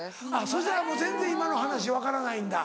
そしたらもう全然今の話分からないんだ。